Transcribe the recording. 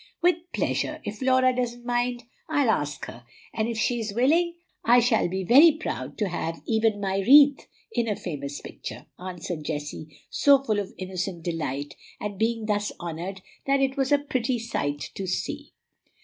"With pleasure, if Laura doesn't mind. I'll ask her, and if she is willing I shall be very proud to have even my wreath in a famous picture," answered Jessie, so full of innocent delight at being thus honored that it was a pretty sight to see.